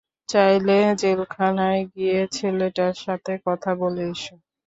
চাইলে, জেলখানায় গিয়ে ছেলেটার সাথে কথা বলে এসো।